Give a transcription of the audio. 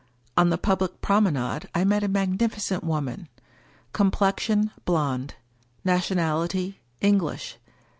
On the public promenade I met a magnificent woman. Complexion, blond. Nation ality, English.